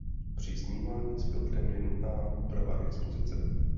Při snímání s filtrem je nutná úprava expozice.